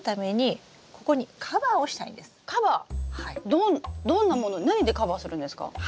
どんどんなもの何でカバーするんですか？